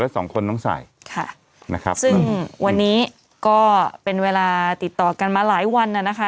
สองคนต้องใส่ค่ะนะครับซึ่งวันนี้ก็เป็นเวลาติดต่อกันมาหลายวันน่ะนะคะ